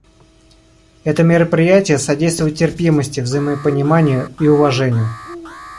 Это мероприятие содействует терпимости, взаимопониманию и уважению.